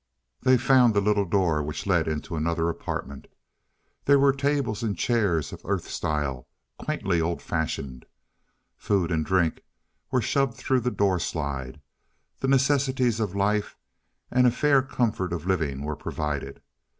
They found the little door which led into another apartment. There were tables and chairs of earth style, quaintly old fashioned. Food and drink were shoved through the doorslide; the necessities of life and a fair comfort of living were provided.